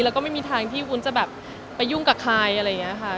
แล้วก็ไม่มีทางที่วุ้นจะแบบไปยุ่งกับใครอะไรอย่างนี้ค่ะ